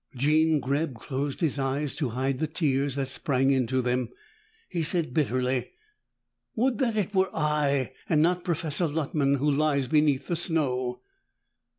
Jean Greb closed his eyes to hide the tears that sprang into them. He said bitterly, "Would that it were I, and not Professor Luttman, who lies beneath the snow!"